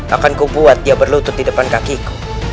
akan ku buat dia berlutut di depan kakiku